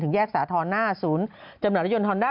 ถึงแยกสาธารณาศูนย์จำหน่ายรถยนต์ธรรมดา